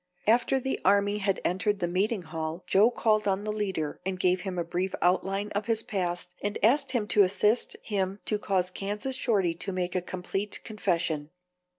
After the army had entered the meeting hall, Joe called on the leader and gave him a brief outline of his past and asked him to assist him to cause Kansas Shorty to make a complete confession.